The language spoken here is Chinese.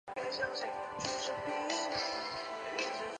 羽带车站根室本线的铁路车站。